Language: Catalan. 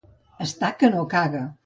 Estar que no caga.